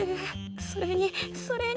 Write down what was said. それにそれに。